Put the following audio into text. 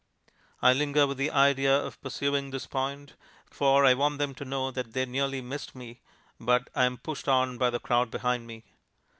I linger with the idea of pursuing this point, for I want them to know that they nearly missed me, but I am pushed on by the crowd behind me.